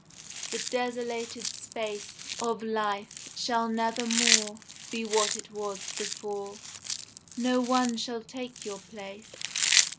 The desolated space Of life shall nevermore Be what it was before. No one shall take your place.